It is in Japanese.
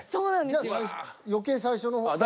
じゃあ余計最初の方が。